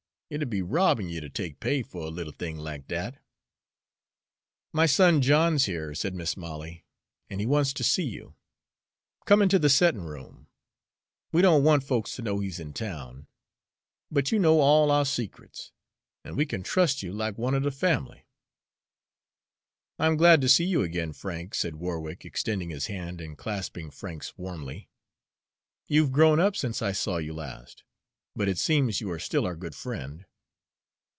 It'd be robbin' you ter take pay fer a little thing lack dat." "My son John's here," said Mis' Molly "an' he wants to see you. Come into the settin' room. We don't want folks to know he's in town; but you know all our secrets, an' we can trust you like one er the family." "I'm glad to see you again, Frank," said Warwick, extending his hand and clasping Frank's warmly. "You've grown up since I saw you last, but it seems you are still our good friend."